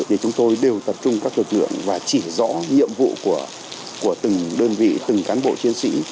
thì chúng tôi đều tập trung các lực lượng và chỉ rõ nhiệm vụ của từng đơn vị từng cán bộ chiến sĩ